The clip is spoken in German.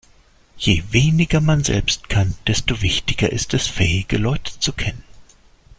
Je weniger man selbst kann, desto wichtiger ist es, fähige Leute zu kennen.